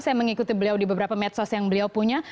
saya mengikuti beliau di beberapa medsos yang beliau punya